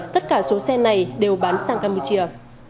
tất cả số xe này đều bán sang campuchia